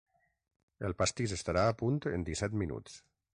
El pastís estarà a punt en disset minuts.